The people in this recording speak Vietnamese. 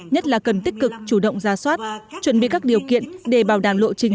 nhất là cần tích cực chủ động ra soát chuẩn bị các điều kiện để bảo đảm lộ trình